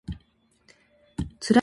つらいです